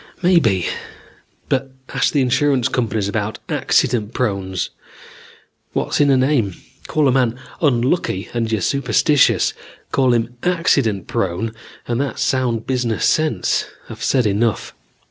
Maybe; but ask the insurance companies about accident prones. What's in a name? Call a man unlucky and you're superstitious. Call him accident prone and that's sound business sense. I've said enough.